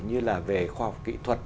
như là về khoa học kỹ thuật